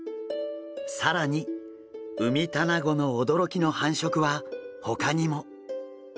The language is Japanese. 更にウミタナゴの驚きの繁殖はほかにも。